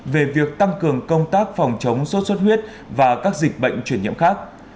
về việc tăng cường công tác phòng chống sốt xuất huyết và các dịch bệnh chuyển nhiễm khác